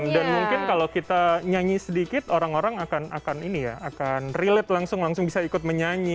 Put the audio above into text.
dan mungkin kalau kita nyanyi sedikit orang orang akan relate langsung langsung bisa ikut menyanyi